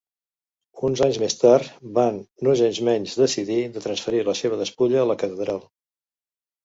Uns anys més tard van nogensmenys decidir de transferir la seva despulla a la catedral.